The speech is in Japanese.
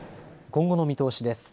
今後の見通しです。